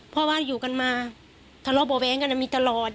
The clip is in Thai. เพราะว่าอยู่กันมาสลบบ่แว้งกันมีตลอด